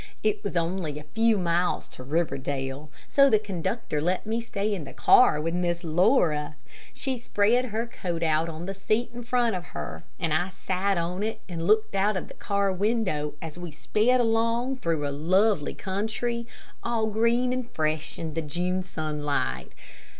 It was only a few miles to Riverdale, so the conductor let me stay in the car with Miss Laura. She spread her coat out on the seat in front of her, and I sat on it and looked out of the car window as we sped along through a lovely country, all green and fresh in the June sunlight.